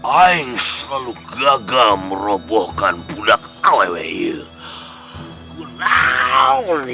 aing selalu gagal merobohkan budak kowewe guna awli